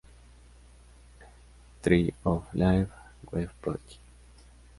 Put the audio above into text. Tree of Life Web Project.